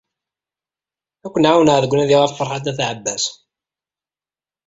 Ad kun-ɛawneɣ deg unadi ɣef Ferḥat n At Ɛebbas.